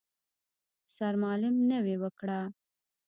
سرمالم نوې وکړه.